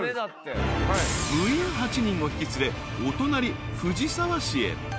［部員８人を引き連れお隣藤沢市へ］